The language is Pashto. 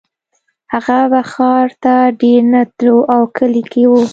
هغه به ښار ته ډېر نه تلو او کلي کې و